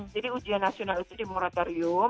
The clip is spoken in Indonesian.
jadi ujian nasional itu di moratorium